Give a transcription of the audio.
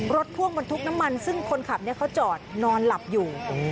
พ่วงบรรทุกน้ำมันซึ่งคนขับเขาจอดนอนหลับอยู่